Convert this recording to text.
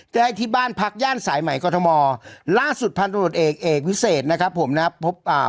ได้ที่บ้านพักย่านสายใหม่กรทมล่าสุดพันธุรกิจเอกเอกวิเศษนะครับผมนะครับพบอ่า